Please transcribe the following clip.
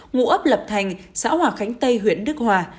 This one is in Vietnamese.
ngụ ấp lập thành xã hòa khánh tây huyện đức hòa